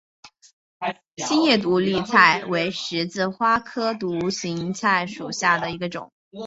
心叶独行菜为十字花科独行菜属下的一个种。